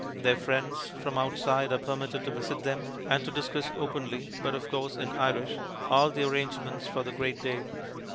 Their friends from outside are permitted to visit them, and to discuss openly (but of course, in Irish) all the arrangements for the great day.